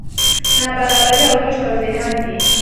نابرابري او وېش توضیحات دي.